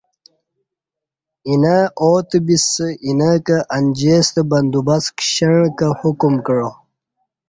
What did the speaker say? اینہ آتہ بسہ اینہ کہ انجی ستہ بندوبست کشیعں کہ حکم کعا